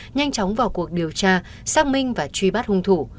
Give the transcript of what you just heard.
nhanh chóng vào cuộc điều tra xác minh và truy bắt hung thủ